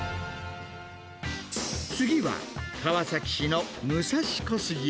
次は、川崎市の武蔵小杉へ。